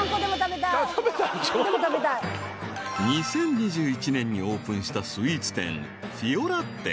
［２０２１年にオープンしたスイーツ店ＦｉＯＬＡＴＴＥ］